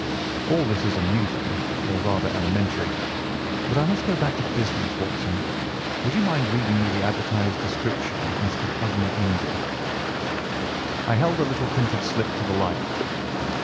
All this is amusing, though rather elementary, but I must go back to business, Watson. Would you mind reading me the advertised description of Mr. Hosmer Angel?" I held the little printed slip to the light.